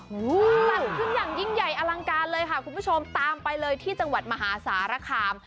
จัดขึ้นอย่างยิ่งใหญ่อลังการเลยค่ะคุณผู้ชมตามไปเลยที่จังหวัดมหาสารคาม